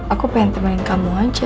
aku pengen temenin kamu aja